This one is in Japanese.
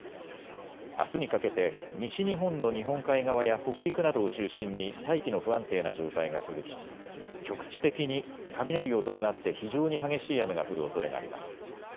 あすにかけて西日本の日本海側や北陸などを中心に大気の不安定な状態が続き局地的に雷を伴って非常に激しい雨が降るおそれがあります。